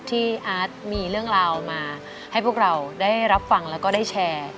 ที่อาร์ตมีเรื่องราวมาให้พวกเราได้รับฟังแล้วก็ได้แชร์